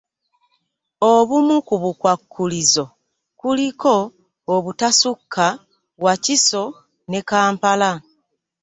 Obumu ku bukwakkulizo kuliko obutasukka Wakiso ne Kampala